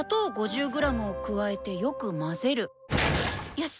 よし！